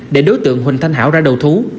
để đối tượng huỳnh thanh hảo ra đầu thú